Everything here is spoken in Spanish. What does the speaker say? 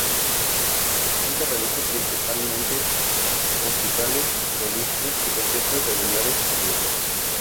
Actualmente realiza, principalmente, recitales solistas y conciertos regulares por Europa.